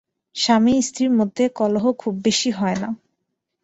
স্বামী-স্ত্রীর মধ্যে কলহ খুব বেশী হয় না।